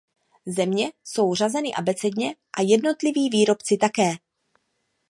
Země jsou řazeny abecedně a jednotliví výrobci také.